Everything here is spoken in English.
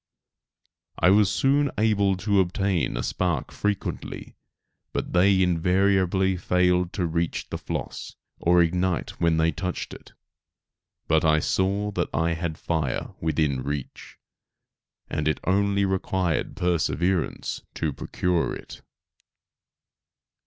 I was soon able to obtain a spark frequently, but they invariably failed to reach the floss, or to ignite when they touched it. But I saw that I had fire within reach, and it only required perseverance to procure it.